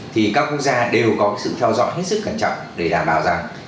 thì các quốc gia đều có sự theo dõi hết sức cẩn trọng để đảm bảo rằng